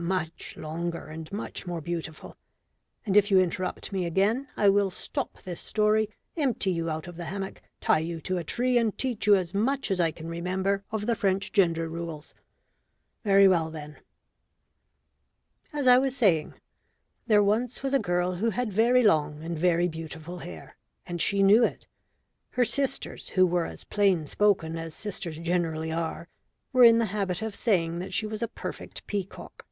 Much longer and much more beautiful. And if you interrupt me again, I will stop this story, empty you out of the hammock, tie you to a tree, and teach you as much as I can remember of the French gender rules. Very well, then._) As I was saying there once was a girl who had very long and very beautiful hair, and she knew it. Her sisters, who were as plain spoken as sisters generally are, were in the habit of saying that she was a perfect peacock.